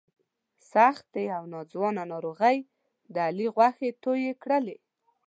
سختې او ناځوانه ناروغۍ د علي غوښې تویې کړلې.